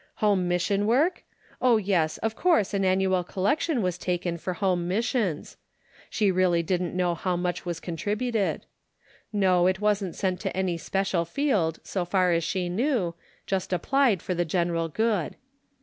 Home mission work ? Oh, yes } of course an annual collection was taken for Home Missions. She really didn't know how much was contrib uted. No, it wasn't sent to any special field, so far as she knew — just applied for the gen eral good.